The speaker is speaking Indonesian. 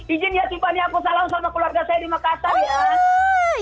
izin ya tiffany aku salam sama keluarga saya di makassar ya